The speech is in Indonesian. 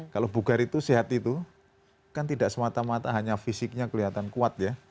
kalau bugar itu sehat itu kan tidak semata mata hanya fisiknya kelihatan kuat ya